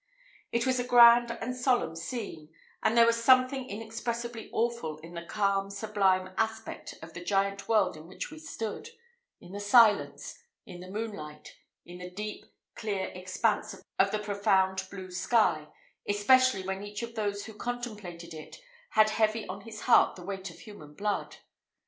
It was a grand and solemn scene; and there was something inexpressibly awful in the calm, sublime aspect of the giant world in which we stood in the silence in the moonlight in the deep, clear expanse of the profound blue sky, especially when each of those who contemplated it had heavy on his heart the weight of human blood.